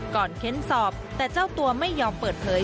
เค้นสอบแต่เจ้าตัวไม่ยอมเปิดเผย